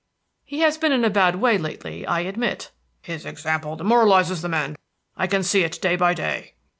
"He has been in a bad way lately, I admit." "His example demoralizes the men. I can see it day by day."